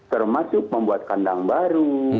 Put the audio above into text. termasuk membuat kandang baru